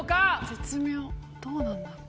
絶妙どうなんだ？